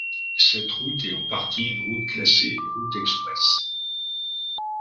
Cette route est en partie une route classée route express.